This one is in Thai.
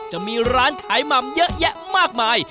จะมีร้านขายหม่ำเยอะแยะมากมาย